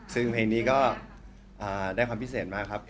ซึ่งเพลงนี้ก็ได้ความพิเศษมากครับ